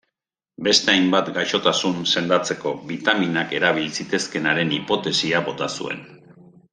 Beste hainbat gaixotasun sendatzeko bitaminak erabil zitezkeenaren hipotesia bota zuen.